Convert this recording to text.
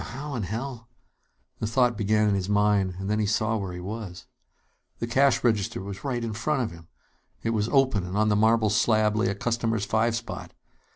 "Now, how in hell " The thought began in his mind; and then he saw where he was. The cash register was right in front of him! It was open, and on the marble slab lay a customer's five spot.